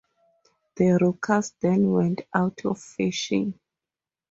The rockers then went out of fashion.